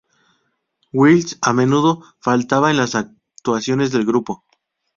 Wills a menudo faltaba en las actuaciones del grupo.